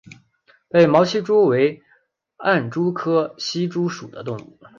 被毛隙蛛为暗蛛科隙蛛属的动物。